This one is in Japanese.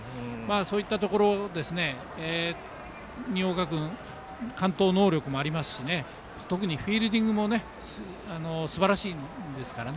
そういったところ新岡君、完投能力もありますし特にフィールディングもすばらしいですからね。